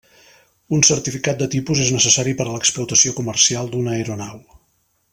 Un certificat de tipus és necessari per a l'explotació comercial d'una aeronau.